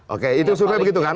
oke itu survei begitu kan